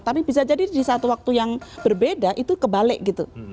tapi bisa jadi di satu waktu yang berbeda itu kebalik gitu